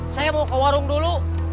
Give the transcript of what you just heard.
saya mau ke warung dulu